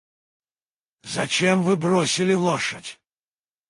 Зачем Вы бросили лошадь?